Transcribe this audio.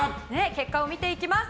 結果を見ていきます。